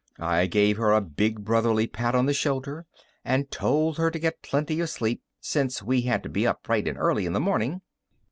I gave her a big brotherly pat on the shoulder and told her to get plenty of sleep, since we had to be up bright and early in the morning.